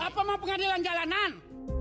apa mau pengadilan jalanan